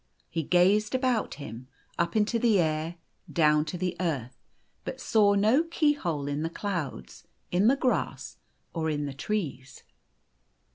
O He gazed about him, up into the air, down to the earth, but saw no keyhole in the clouds, in the grass, or in the trees.